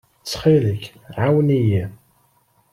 Ttxil-k, ɛawen-iyi!